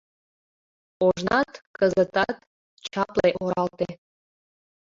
Ожнат, кызытат — чапле оралте.